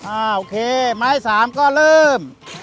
โอเคหมาย๓ก็เริ่ม